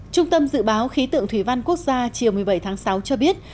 trung tâm dự báo khí tượng thủy văn quốc gia chiều một mươi bảy tháng sáu cho biết